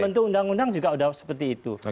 bentuk undang undang juga sudah seperti itu